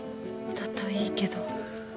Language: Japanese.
だといいけど。